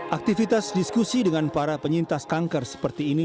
aktivitas diskusi dengan para penyintas kanker seperti ini